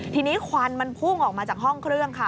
ทีนี้ควันมันพุ่งออกมาจากห้องเครื่องค่ะ